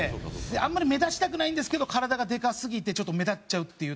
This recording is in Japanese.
あんまり目立ちたくないんですけど体がでかすぎてちょっと目立っちゃうっていうタイプ。